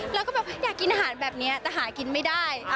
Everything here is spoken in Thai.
และก็อยากกินอาหารแบบนี้แต่หากินไม่ได้เปิดเองเลยจ้ะ